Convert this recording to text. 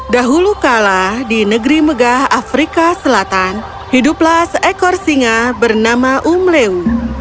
dahulu kala di negeri megah afrika selatan hiduplah seekor singa bernama umleu